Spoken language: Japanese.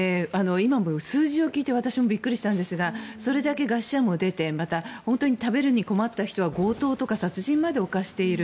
今、数字を聞いて私もびっくりしたんですがそれだけ餓死者も出てまた、本当に食べるに困った人は強盗とか殺人まで犯している。